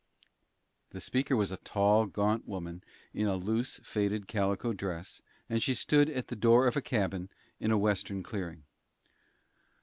The speaker was a tall, gaunt woman, in a loose, faded, calico dress, and she stood at the door of a cabin in a Western clearing.